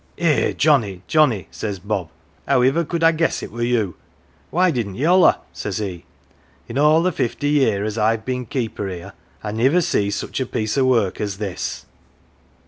"' Eh, Johnnie, Johnnie, 1 says Bob, ' howiver could I guess it were you ? Why didn't ye holler ?' says he ;* in all the fifty year as I've been keeper 'ere, I niver see such a piece o' work as this